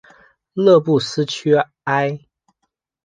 勒布斯屈埃。